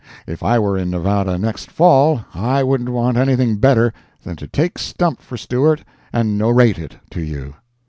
If I were in Nevada next fall I wouldn't want anything better than to take stump for Stewart and "norate" it to you.